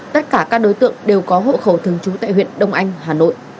tất cả các đối tượng đều có hộ khẩu thường trú tại huyện đông anh hà nội